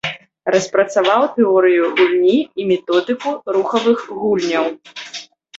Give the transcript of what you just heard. Распрацаваў тэорыю гульні і методыку рухавых гульняў.